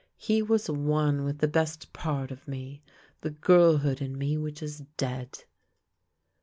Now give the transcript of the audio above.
He was one with the best part of me, the girl hood in me which is dead!